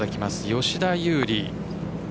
吉田優利。